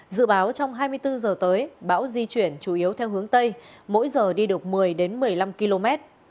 dự báo trong hai mươi bốn giờ tới bão di chuyển chủ yếu theo hướng tây mỗi giờ đi được một mươi một mươi năm km